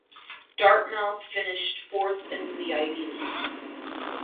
Dartmouth finished fourth in the Ivy League.